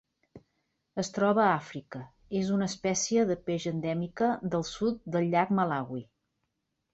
Es troba a Àfrica: és una espècie de peix endèmica del sud del llac Malawi.